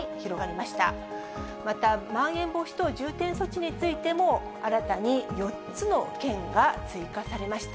また、まん延防止等重点措置についても、新たに４つの県が追加されました。